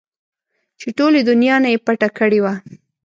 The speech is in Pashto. چې ټولې دونيا نه يې پټه کړې وه.